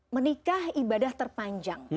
menikah ibadah terpanjang